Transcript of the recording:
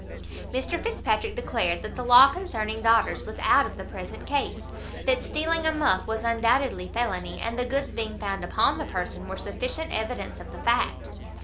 Mr Fitzpatrick declared that the law concerning daughters was out of the present case; that stealing a muff was undoubtedly felony, and the goods being found upon the person, were sufficient evidence of the fact.